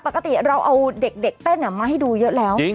ปกติเราเอาเด็กเต้นมาให้ดูเยอะแล้ว